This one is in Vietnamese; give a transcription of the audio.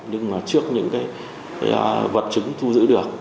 nhưng mà trước những cái vật chứng thu giữ được